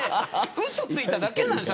うそついただけなんです